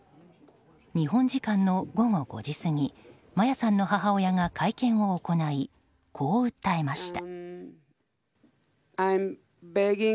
日本時間の午後５時過ぎマヤさんの母親が会見を行い、こう訴えました。